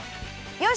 よし！